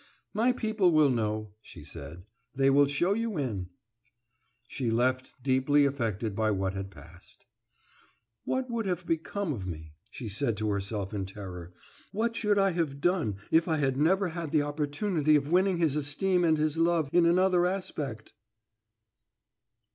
"My people will know," she said. "They will show you in." She left, deeply affected by what had passed. "What would have become of me," she said to herself in terror, "what should I have done, if I had never had the opportunity of winning his esteem and his love in another aspect?"